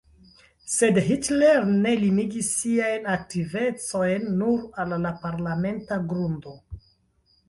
Sed Hitler ne limigis siajn aktivecojn nur al la parlamenta grundo.